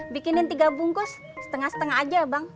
bikinin tiga bungkus setengah setengah aja ya bang